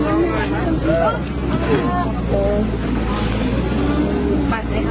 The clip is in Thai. แม่ขอบคุณมากแม่ขอบคุณมากแม่ขอบคุณมากแม่ขอบคุณมาก